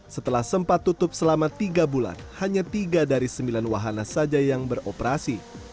setelah sempat tutup selama tiga bulan hanya tiga dari sembilan wahana saja yang beroperasi